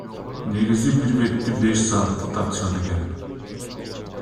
Негизи бир бетти беш саатта тартышат экен.